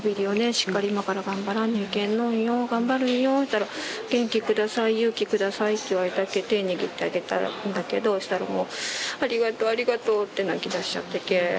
しっかり今から頑張らにゃいけんのんよ頑張るんよ」と言ったら「元気下さい勇気下さい」って言われたっけ手にぎってあげたんだけどしたらもう「ありがとうありがとう」って泣きだしちゃったけぇ。